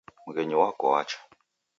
Mghenyi wako wacha.